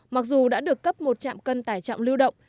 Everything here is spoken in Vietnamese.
mặc dù đã được cấp một chạm cân tải trọng lưu động